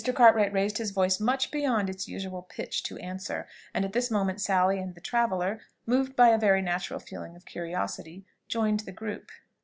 Cartwright raised his voice much beyond its usual pitch, to answer; and at this moment Sally and the traveller, moved by a very natural feeling of curiosity, joined the group.